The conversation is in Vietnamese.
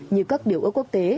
như các điều ước quốc tế